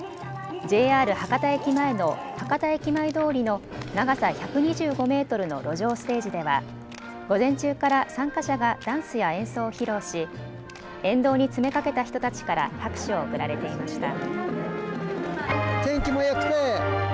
ＪＲ博多駅前のはかた駅前通りの長さ１２５メートルの路上ステージでは午前中から参加者がダンスや演奏を披露し沿道に詰めかけた人たちから拍手を送られていました。